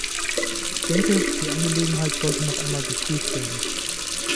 Ich denke, die Angelegenheit sollte noch einmal geprüft werden.